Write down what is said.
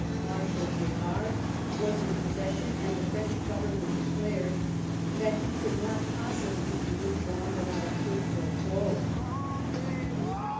Marshal G6rard was in possession, and the French Government declared that he could not possibly be withdrawn without a quid pro quo.